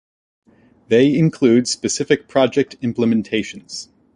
They include specific project implementations.